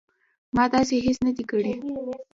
ما داسې هیڅ نه دي کړي